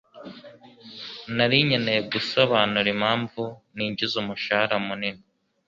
Nari nkeneye gusobanura impamvu ninjiza umushahara munini.